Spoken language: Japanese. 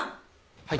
はい。